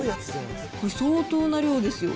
これ、相当な量ですよ。